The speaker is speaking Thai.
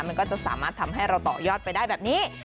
มันก็จะสามารถทำให้เราต่อยอดไปได้แบบนี้